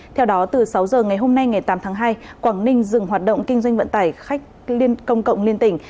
theo đó từ sáu giờ ngày hôm nay ngày tám tháng hai quảng ninh dừng hoạt động kinh doanh vận tải khách liên công cộng liên tỉnh